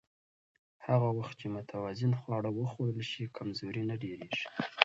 هغه وخت چې متوازن خواړه وخوړل شي، کمزوري نه ډېریږي.